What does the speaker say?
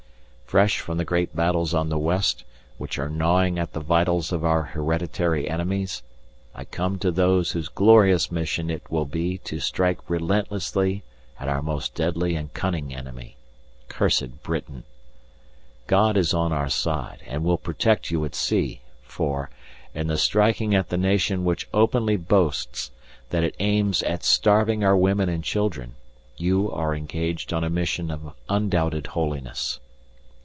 Fresh from the great battles on the West which are gnawing at the vitals of our hereditary enemies, I come to those whose glorious mission it will be to strike relentlessly at our most deadly and cunning enemy cursed Britain. God is on our side and will protect you at sea for, in the striking at the nation which openly boasts that it aims at starving our women and children, you are engaged on a mission of undoubted holiness.